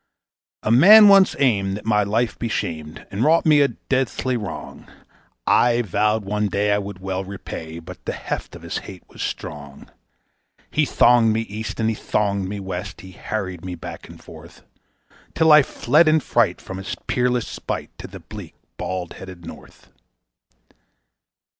A man once aimed that my life be shamed, and wrought me a deathly wrong; I vowed one day I would well repay, but the heft of his hate was strong. He thonged me East and he thonged me West; he harried me back and forth, Till I fled in fright from his peerless spite to the bleak, bald headed North.